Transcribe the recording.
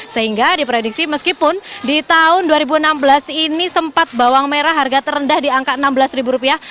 sehingga diprediksi meskipun di tahun dua ribu enam belas ini sempat bawang merah harga terendah di angka enam belas rupiah